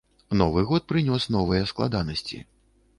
Новы год прынёс новыя складанасці.